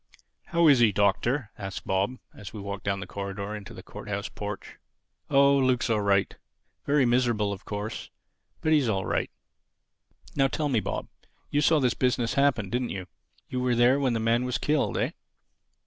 "How is he, Doctor?" asked Bob as we walked down the corridor into the Court house porch. "Oh, Luke's all right. Very miserable of course, but he's all right. Now tell me, Bob: you saw this business happen, didn't you? You were there when the man was killed, eh?"